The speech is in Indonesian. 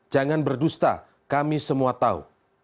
jangan berdusta kami semua tahu